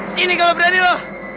sini kalau berani lo